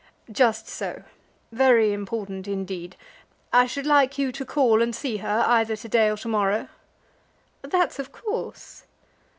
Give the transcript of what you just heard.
"Just so; very important indeed. I should like you to call and see her either to day or to morrow." "That's of course."